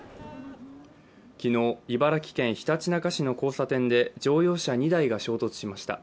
昨日茨城県ひたちなか市の交差点で乗用車２台が衝突しました。